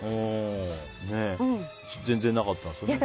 全然なかったんですね。